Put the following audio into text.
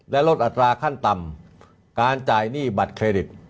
และลดอัตราขั้นต่ำการจ่ายหนี้บัตรเครดิต